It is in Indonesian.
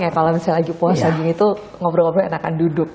kalau misalnya lagi puasa gini tuh ngobrol ngobrol enakan duduk